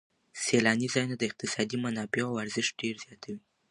سیلاني ځایونه د اقتصادي منابعو ارزښت ډېر زیاتوي.